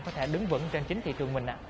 có thể đứng vững trên chính thị trường mình ạ